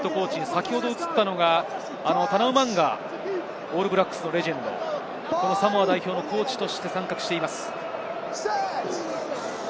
先ほど映ったのはオールブラックスのレジェンド、サモア代表のコーチとして参画しています。